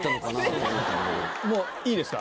もういいですか？